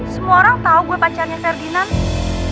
semua orang tau gue pacarnya ferdinand